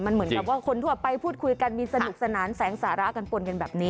มันเหมือนกับว่าคนทั่วไปพูดคุยกันมีสนุกสนานแสงสาระกันปนกันแบบนี้